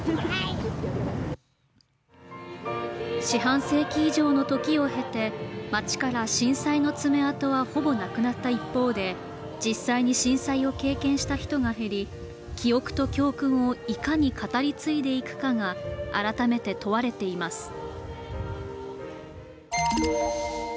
四半世紀以上の時を経て街から震災の爪痕はほぼなくなった一方で実際に震災を経験した人が減り記憶と教訓をいかに語り継いでいくかが改めて問われています。